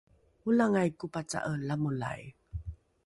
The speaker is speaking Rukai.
olangai kopaca’e lamolai